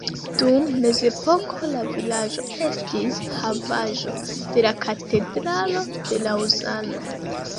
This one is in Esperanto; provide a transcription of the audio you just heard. Dum mezepoko la vilaĝo estis havaĵo de la katedralo de Laŭzano.